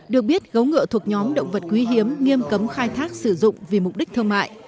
được biết gấu ngựa thuộc nhóm động vật quý hiếm nghiêm cấm khai thác sử dụng vì mục đích thương mại